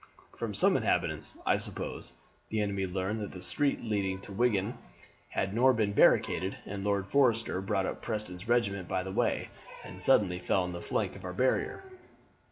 From some inhabitants, I suppose, the enemy learned that the street leading to Wigan had nor been barricaded, and Lord Forrester brought up Preston's regiment by this way, and suddenly fell on the flank of our barrier.